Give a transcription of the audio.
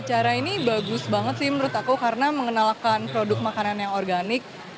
cara ini bagus banget sih menurut aku karena mengenalkan produk makanan yang organik